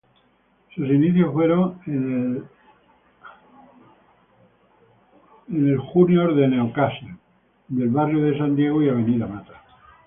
Sus inicios fueron en el Newcastle Juniors del barrio San Diego y Avenida Matta.